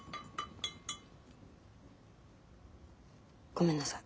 ごめんなさい。